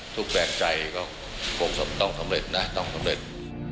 ทุกแบบใจก็โปรกสมต้องสำเร็จนะต้องสำเร็จ